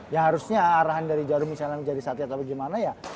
ya harusnya arahan dari jarum misalnya jadi satelit atau gimana ya